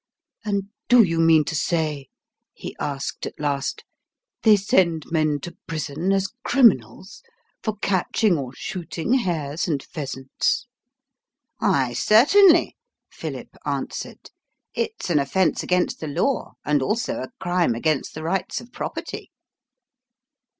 "And do you mean to say," he asked at last "they send men to prison as criminals for catching or shooting hares and pheasants?" "Why, certainly," Philip answered. "It's an offence against the law, and also a crime against the rights of property."